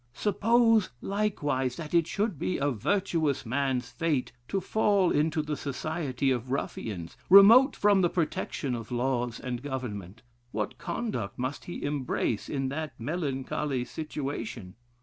Suppose, likewise, that it should be a virtuous man's fate to fall into the society of ruffians, remote from the protection of laws and government; what conduct must he embrace in that melancholy situation?